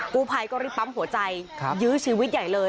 กู้ภัยก็รีบปั๊มหัวใจยื้อชีวิตใหญ่เลย